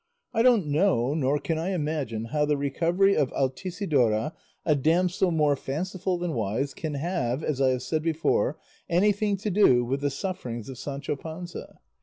I don't know nor can I imagine how the recovery of Altisidora, a damsel more fanciful than wise, can have, as I have said before, anything to do with the sufferings of Sancho Panza.